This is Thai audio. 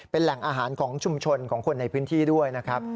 เป็นแหล่งอาหารของชุมชนของคนในพื้นที่ด้วยนะครับ